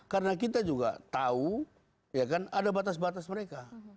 karena kita juga tahu ya kan ada batas batas mereka